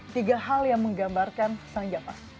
tiga hal yang menggambarkan sangat jatah